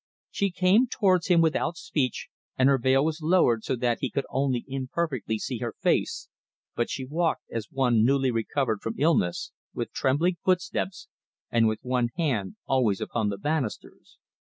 She came towards him without speech, and her veil was lowered so that he could only imperfectly see her face, but she walked as one newly recovered from illness, with trembling footsteps, and with one hand always upon the banisters.